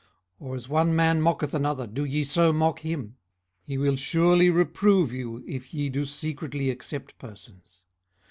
or as one man mocketh another, do ye so mock him? 18:013:010 He will surely reprove you, if ye do secretly accept persons.